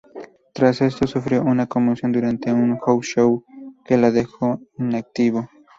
Tras esto, sufrió una conmoción durante un "house show" que lo dejó inactivo.